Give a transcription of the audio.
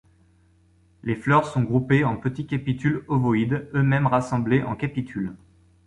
Les fleurs sont groupées en petits capitules ovoïdes eux-mêmes rassemblés en capitules.